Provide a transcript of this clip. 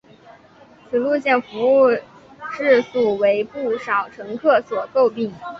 此路线服务质素为不少乘客所诟病。